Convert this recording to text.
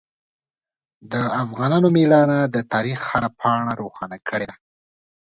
د افغان میړانه د تاریخ هره پاڼه روښانه کړې ده.